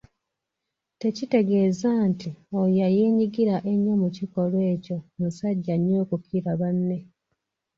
Tekitegeeza nti oyo eyeenyigira ennyo mu kikolwa ekyo musajja nnyo okukira banne.